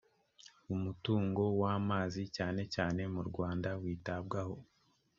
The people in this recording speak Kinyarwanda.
umutungo w amazi cyane cyane mu rwanda witabwaho